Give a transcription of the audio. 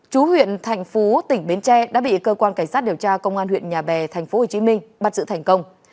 chú huyện thành phố tỉnh bến tre đã bị cơ quan cảnh sát điều tra công an huyện nhà bè thành phố hồ chí minh bắt giữ thành công